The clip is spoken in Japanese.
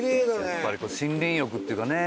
やっぱり森林浴っていうかね